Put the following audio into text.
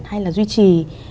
hay là duy trì